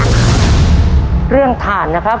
ขอบคุณครับขอบคุณครับ